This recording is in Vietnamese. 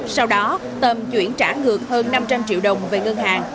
sau đó tâm chuyển trả ngược hơn năm trăm linh triệu đồng về ngân hàng